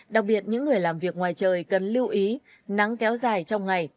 đặc biệt những người làm việc ngoài trời cần lưu ý nắng kéo dài trong ngày